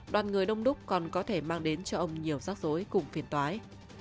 đoàn người đông đúc còn có thể mang đến cho ông nhiều rắc rối cùng phiền toái